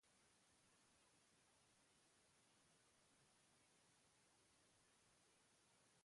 Atxilotu batzuek torturatuak izan zirela salatu zuten.